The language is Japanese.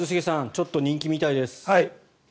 ちょっと人気みたいです。